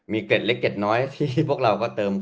มีเกร็ดเล็กเกร็ดน้อยที่พวกเราก็เติม